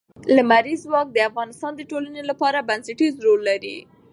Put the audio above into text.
لمریز ځواک د افغانستان د ټولنې لپاره بنسټيز رول لري.